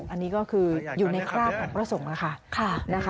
อันนี้ก็คืออยู่ในคราบของพระสงฆ์ค่ะ